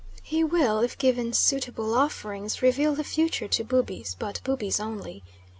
He will, if given suitable offerings, reveal the future to Bubis, but Bubis only.